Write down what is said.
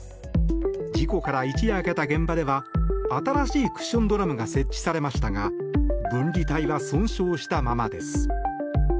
事故から一夜明けた現場では新しいクッションドラムが設置されましたが分離帯は損傷したままです。